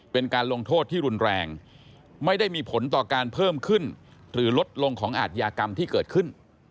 เป็นการลงโทษที่รุนแรงไม่ได้มีผลต่อการเพิ่มขึ้นหรือลดลงของอาทยากรรมที่เกิดขึ้น